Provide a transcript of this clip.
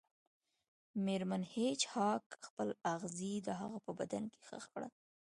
میرمن هیج هاګ خپل اغزي د هغه په بدن کې ښخ کړل